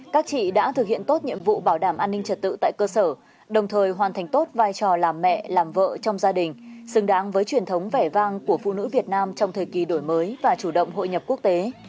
các chị đã thực hiện tốt nhiệm vụ bảo đảm an ninh trật tự tại cơ sở đồng thời hoàn thành tốt vai trò làm mẹ làm vợ trong gia đình xứng đáng với truyền thống vẻ vang của phụ nữ việt nam trong thời kỳ đổi mới và chủ động hội nhập quốc tế